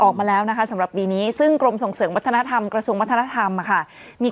๒เดือนครึ่งแล้ววันนี้วันที่๑๕